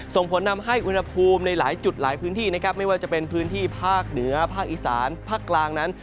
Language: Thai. ส่งผลทำให้อุณหภูมิในหลายจุดหลายพื้นที่นะครับไม่ว่าจะเป็นพื้นที่ภาคเหนือภาคอีสานภาคกลางนั้น